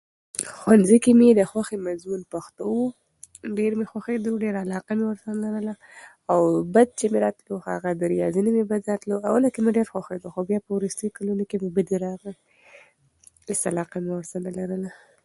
ښوونځي کې زما د خوښې مضمون پښتو وو. ما له پښتو سره خورا ژوره مینه لرله. له ریاضي سره مې جوړه نه وه. په لمړیو کلونو کې له ریاضي سره هم ښه وم، خو په وروسته کلونو کې مې زړه ورڅخه تور شو.